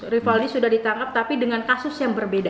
rivaldi sudah ditangkap tapi dengan kasus yang berbeda